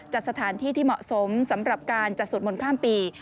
สถานที่ที่เหมาะสมสำหรับการจัดสวดมนต์ข้ามปี